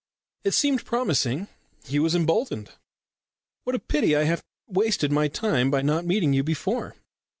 It seemed promising; he was emboldened. "What a pity I have wasted my time by not meeting you before?